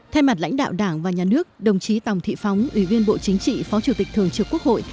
thay mặt lãnh đạo đảng và nhà nước đồng chí tòng thị phóng ủy viên bộ chính trị phó chủ tịch thường trực quốc hội